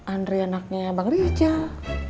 andi anaknya bang rijal